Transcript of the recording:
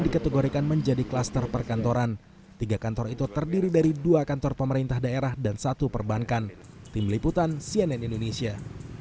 dikategorikan menjadi kluster perkantoran tiga kantor itu terdiri dari dua kantor pemerintah daerah dan satu perbankan tim liputan cnn indonesia